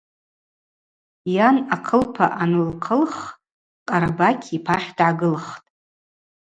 Йан ахъылпа анылхъылхх Къарабакь йпахь дгӏагылхтӏ.